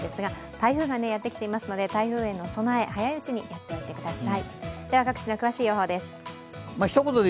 台風がやってきていますので、台風への備え、早いうちにやっておいてください。